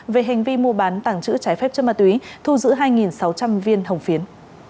về hành vi mua bán tàng trữ trái phép cho ma túy thu giữ hai sáu trăm linh viên hồng phiến